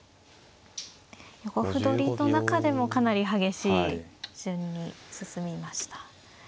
横歩取りの中でもかなり激しい順に進みました。